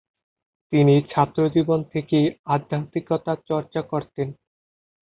তিনি ছাত্রজীবন থেকেই আধ্যাত্মিকতা চর্চা করতেন।